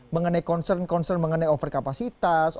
mengenai concern concern mengenai overkapasitas